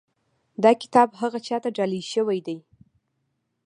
دا کتاب هغه چا ته ډالۍ شوی دی.